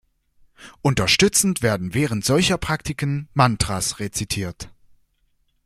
Unterstützend werden während solcher Praktiken Mantras rezitiert.